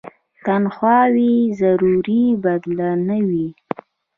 تنخواوې یې ضروري بدل نه وو.